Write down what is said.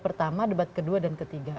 pertama debat kedua dan ketiga